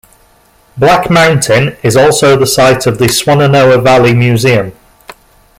Black Mountain is also the site of the Swannanoa Valley Museum.